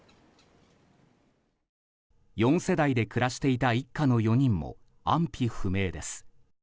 ４世代で暮らしていた一家の４人も安否不明です。